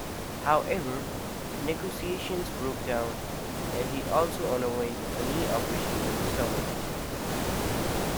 However, negotiations broke down, and he also underwent a knee operation in the summer.